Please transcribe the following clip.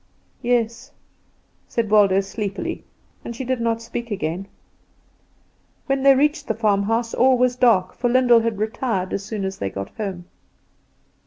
"Yes," said Waldo sleepily, and she did not speak again. When they reached the farmhouse all was dark, for Lyndall had retired as soon as they got home.